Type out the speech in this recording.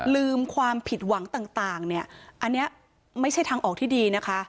ลืมความผิดหวังต่างเนี่ยอันนี้ไม่ใช่ทางออกที่ดีนะคะ